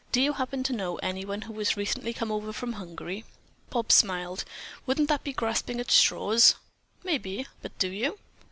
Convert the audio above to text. Do you happen to know anyone who has recently come over from Hungary?" Bobs smiled. "Wouldn't that be grasping at straws?" "Maybe, but do you?"